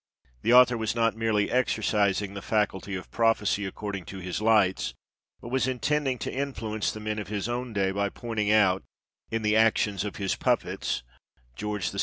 The author was not merely exercising the faculty of prophecy according to his lights, but was intending to influence the men of his own day by pointing out, in the actions of his puppets George VI.